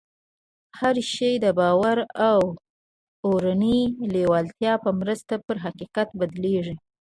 هر شی د باور او اورنۍ لېوالتیا په مرسته پر حقیقت بدلېږي